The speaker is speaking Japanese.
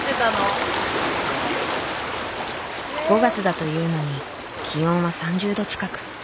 ５月だというのに気温は３０度近く。